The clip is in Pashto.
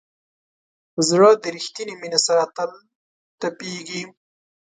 زړه د ریښتینې مینې سره تل تپېږي.